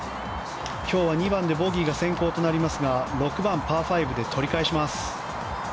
今日は２番でボギーが先行となりますが６番、パー５で取り返します。